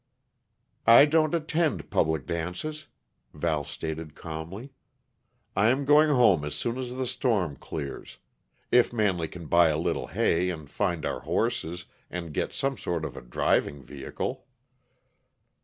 "I don't attend public dances," Val stated calmly. "I am going home as soon as the storm clears if Manley can buy a little hay, and find our horses, and get some sort of a driving vehicle."